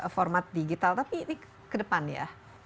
format digital tapi ini ke depan ya